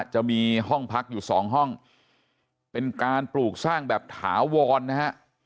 จะมีห้องพักอยู่สองห้องเป็นการปลูกสร้างแบบถาวรนะฮะ